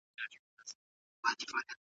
نومونه بايد مانا ورسوي.